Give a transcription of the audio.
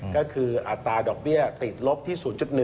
ก็คืออัตราดอกเบี้ยติดลบที่๐๑